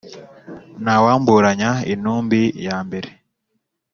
Ntawamburanya intumbi ya mbere